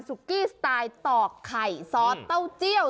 กี้สไตล์ตอกไข่ซอสเต้าเจียว